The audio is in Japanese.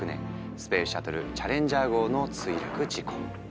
スペースシャトルチャレンジャー号の墜落事故。